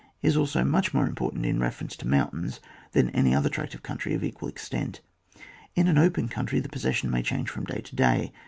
— ^is also much more important in reference to mountains than to any other tract of country of equal extent. In an open country, the possession may change from day to day.